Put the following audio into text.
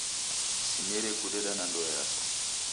Simerie kudeka na ndoe yaswa!